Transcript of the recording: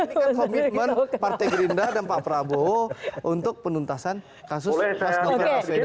ini kan komitmen partai gerinda dan pak prabowo untuk penuntasan kasus mas novel asweda